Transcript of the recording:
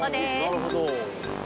なるほど。